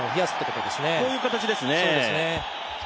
こういう形ですね。